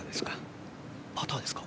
パターですか。